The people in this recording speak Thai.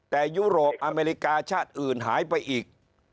แต่ยุโรปอเมริกาชาติอื่นหายไปอีก